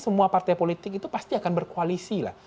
semua partai politik itu pasti akan berkoalisi lah